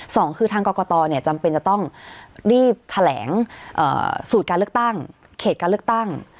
สองคือทางกรกตจำเป็นจะต้องรีบแถลงสูตรการเลือกตั้งเขตการเลือกตั้ง